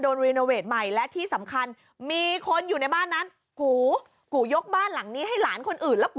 รีโนเวทใหม่และที่สำคัญมีคนอยู่ในบ้านนั้นกูกูยกบ้านหลังนี้ให้หลานคนอื่นแล้วกู